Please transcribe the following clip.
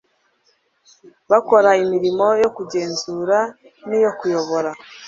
bakora imirimo yo kugenzura n'iyo kuyobora